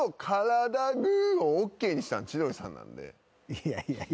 いやいやいや。